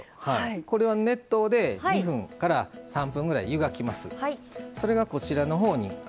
これは熱湯で２分から３分くらい湯がきます。